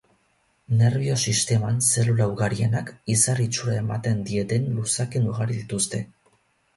Nerbio-sisteman zelula ugarienak, izar itxura ematen dieten luzakin ugari dituzte.